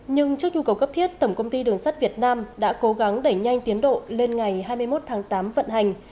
nhưng trước nhu cầu cấp thiết tổng công ty đường sắt việt nam đã cố gắng đẩy nhanh tiến độ lên ngày hai mươi một tháng tám vận hành